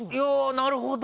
なるほど！